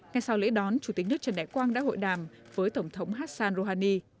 ngay sau lễ đón chủ tịch nước trần đại quang đã hội đàm với tổng thống hassan rouhani